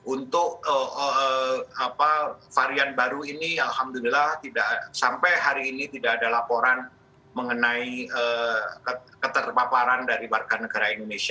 untuk varian baru ini alhamdulillah sampai hari ini tidak ada laporan mengenai keterpaparan dari warga negara indonesia